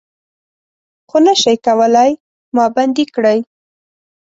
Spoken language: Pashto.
خو نه شئ کولای ما بندۍ کړي